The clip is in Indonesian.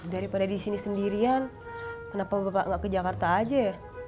daripada di sini sendirian kenapa bapak nggak ke jakarta aja ya